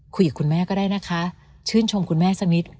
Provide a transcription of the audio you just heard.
คุยกับคุณแม่ก็ได้นะคะชื่นชมคุณแม่สักนิด